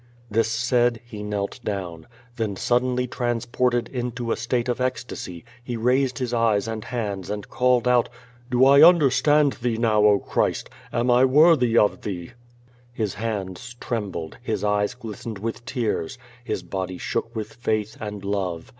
This said, he knelt down. Then suddenly transported into a state of ecstasy, he raised his eyes and hands and called out: *T)o I understand Thee now, 0 Christ? Am I worthy of thee? His hands trembled, his eyes glistened with tears, his body shook with faith and love.